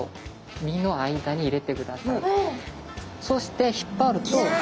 そしてひっぱると。